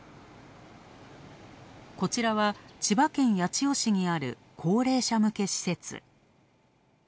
こちらは千葉県八千代市にある高齢者向け施設。